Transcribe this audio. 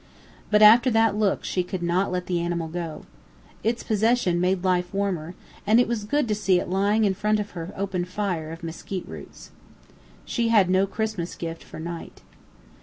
But after that look she could not let the animal go. Its possession made life warmer; and it was good to see it lying in front of her open fire of mesquite roots. She had no Christmas gift for Knight.